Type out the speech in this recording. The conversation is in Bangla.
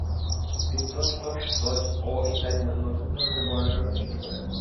তিনি ত্স, ত্শ, দ্জ, 'অ ইত্যাদি নতুন ধরনের বর্ণেরও সৃষ্টি করেন।